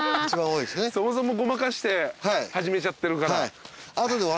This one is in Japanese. そもそもごまかして始めちゃってるから。